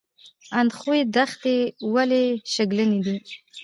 اندخوی دښتې ولې شګلن دي؟